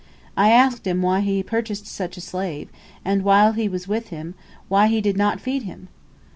I asked him why he purchased such a slave, and, while he was with him, why he did not feed him?